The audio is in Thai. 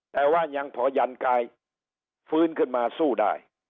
แต่ว่ายังพอยันกายฟื้นขึ้นมาสู้ได้